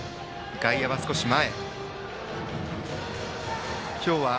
外野は少し前。